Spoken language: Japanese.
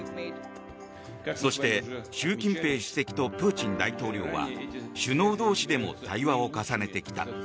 そして習近平主席とプーチン大統領は首脳同士でも対話を重ねてきた。